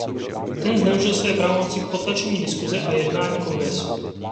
Ten zneužil své pravomoci k potlačení diskuse a jednání kongresu.